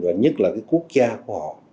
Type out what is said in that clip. và nhất là cái quốc gia của họ